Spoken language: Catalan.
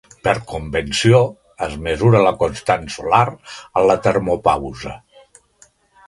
Per convenció, es mesura la constant solar en la termopausa.